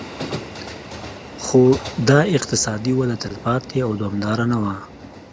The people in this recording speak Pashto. خو دا اقتصادي وده تلپاتې او دوامداره نه وه